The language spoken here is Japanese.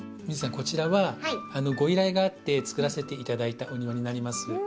こちらはご依頼があってつくらせて頂いたお庭になります。